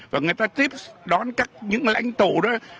và người ta tiếp đón các những lãnh tổ đó